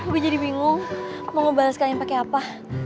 gue jadi bingung mau ngebales kalian pake apa